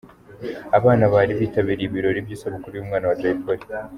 Abana bari bitabiriye ibirori by’isabukuru y’umwana wa Jay Polly.